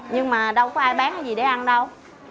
nhưng mà đâu có ai bán cái gì để ăn đâu